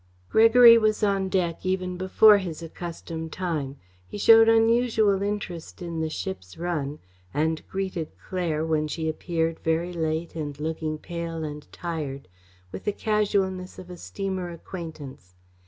Gregory was on deck even before his accustomed time. He showed unusual interest in the ship's run and greeted Claire, when she appeared very late and looking pale and tired, with the casualness of a steamer acquaintance.